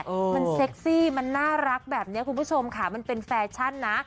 มันเซ็กซี่มันน่ารักแบบนี้คุณผู้ชมค่ะมันเป็นแฟชั่นนะ